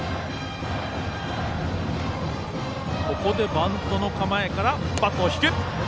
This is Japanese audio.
バントの構えからバットを引いた。